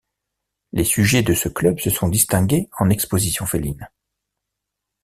Les sujets de ce club se sont distingués en exposition féline.